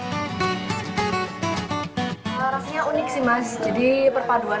dengan keunikan rasanya ini bubur ini pun layak bersaing di pasaran